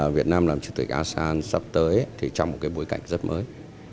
việt nam làm chủ tịch asean sắp tới thì trong một cái bối cảnh rất mới